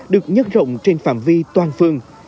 được nhất rộng trên phạm vi toàn phương